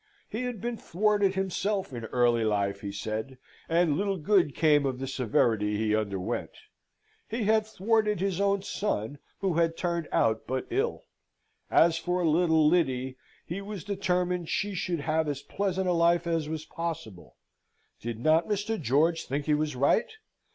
He had been thwarted himself in early life, he said, and little good came of the severity he underwent. He had thwarted his own son, who had turned out but ill. As for little Lyddy, he was determined she should have as pleasant a life as was possible. Did not Mr. George think he was right?